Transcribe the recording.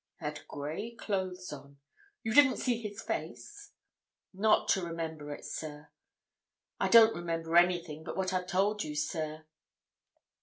"Had grey clothes on. You didn't see his face?" "Not to remember it, sir. I don't remember anything but what I've told you, sir."